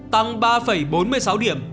tăng ba bốn mươi sáu điểm